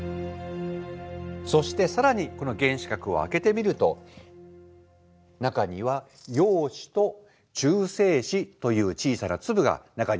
そして更にこの原子核を開けてみると中には陽子と中性子という小さな粒が中に入っているわけです。